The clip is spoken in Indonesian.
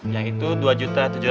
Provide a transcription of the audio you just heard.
yang itu dua tujuh ratus